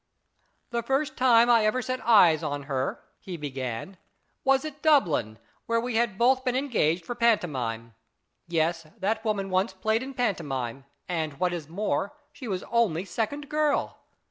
" The first time I ever set eyes on her," he 254 / IT A MANf began, " was at Dublin, where we had both been engaged for pantomime. Yes, that woman once played in pantomime ; and, what is more, she was only second girl.